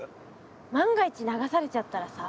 万が一流されちゃったらさ。